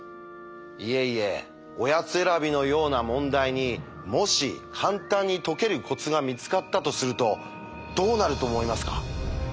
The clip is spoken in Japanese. いえいえおやつ選びのような問題にもし簡単に解けるコツが見つかったとするとどうなると思いますか？